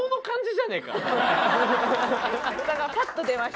だからパッと出ました。